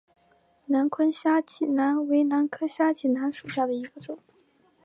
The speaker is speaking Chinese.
南昆虾脊兰为兰科虾脊兰属下的一个种。